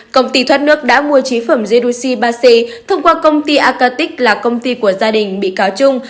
công ty thoát nước đã mua chế phẩm redoxy ba c thông qua công ty arkatic là công ty của gia đình bị cáo trung